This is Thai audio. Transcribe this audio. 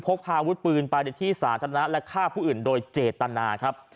พกพาวุฒิปืนไปในที่สาธารณะและฆ่าผู้อื่นโดยเจตนาครับ